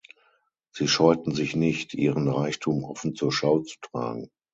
Sie scheuten sich nicht, ihren Reichtum offen zur Schau zu tragen.